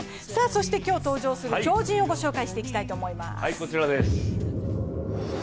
そして今日登場する超人をご紹介していきたいと思います。